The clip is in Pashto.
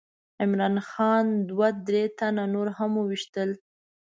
عمرا خان دوه درې تنه نور هم وویشتل.